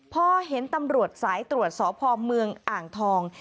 พอเห็นตำรวจสายตรวจสพเมืองอ่างทอง